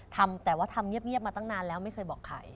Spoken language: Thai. ทำแต่ว่าทำเงียบมาตั้งนานแล้วไม่เคยบอกใคร